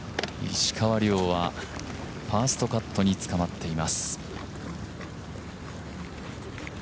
石川遼はファーストカットにつかまっています。